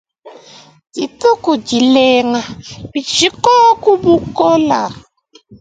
Dituku dilenga, bishi koku bukola ?